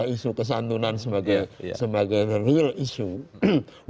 isu kesantunan sebagai real issue